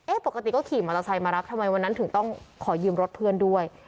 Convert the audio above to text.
ปกติก็ขี่มอเตอร์ไซค์มารับทำไมวันนั้นถึงต้องขอยืมรถเพื่อนด้วย